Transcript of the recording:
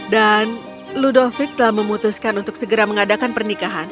dan ludovic telah memutuskan untuk segera mengadakan pernikahan